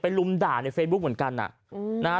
ไปลุมด่าในเฟซบุ๊กเหมือนกันอ่ะอืมนะฮะ